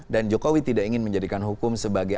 dan jokowi tidak ingin menjadikan hukum sebagai